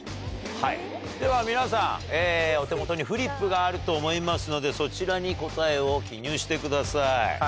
はいでは皆さんお手元にフリップがあると思いますのでそちらに答えを記入してください。